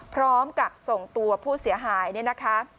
พร้อมกับส่งตัวผู้เสียหายเนี่ยนะคะ